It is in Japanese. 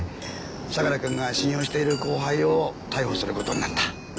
相良くんが信用している後輩を逮捕する事になった。